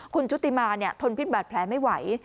คุณชุติมาทนพิษบาดแผลไม่ไหว